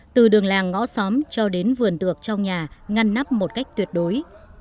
từ đường làng ngõ xóm cho đến vườn tược trong nhà ngăn nắp một cách tuyệt đối